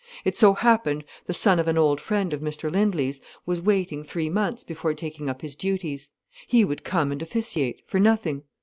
It so happened the son of an old friend of Mr Lindley's was waiting three months before taking up his duties. He would come and officiate, for nothing.